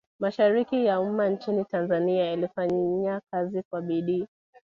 mashirika ya umma nchini tanzania yalifanya kazi kwa bidii